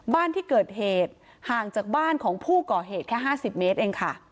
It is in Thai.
บ้านที่เกิดเหตุห่างจากบ้านของผู้ก่อเหตุแค่๕๐เมตรเองค่ะ